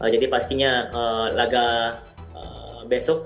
jadi pastinya laga besok